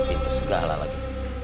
itu segala lagi